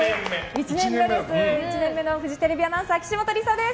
１年目のフジテレビアナウンサー岸本理沙です。